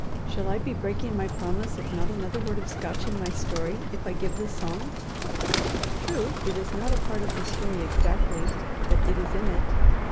Shall I be breaking my promise of not a word of Scotch in my story, if I give the song? True it is not a part of the story exactly, but it is in it.